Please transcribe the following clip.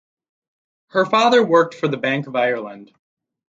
Her father worked for Bank of Ireland.